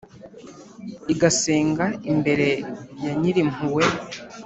igasenga imbere ya Nyir’impuhwe,